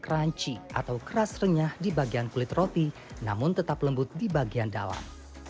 crunchy atau keras renyah di bagian kulit roti namun tetap lembut di bagian dalam